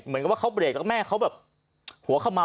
เหมือนกับว่าเขาเบรกแล้วแม่เขาแบบหัวเข้ามา